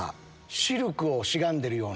シルクをしがんでるような。